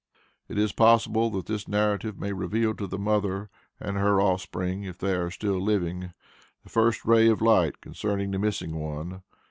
It is possible that this narrative may reveal to the mother and her offspring (if they are still living), the first ray of light concerning the missing one.